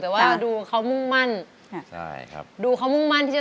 แต่ว่าดูเขามึ่งมั่น